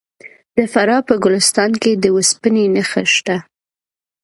د فراه په ګلستان کې د وسپنې نښې شته.